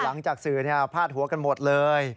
หลังจากสื่อพาดหัวกันหมดเลย